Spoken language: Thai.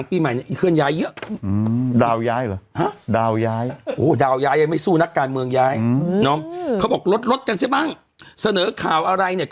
มีแต่การเคลื่อนย้ายช่วงนี้